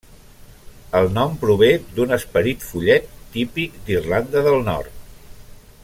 El nom prové d'un esperit follet típic d'Irlanda del Nord.